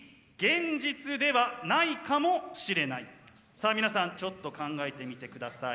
さあ皆さんちょっと考えてみてください。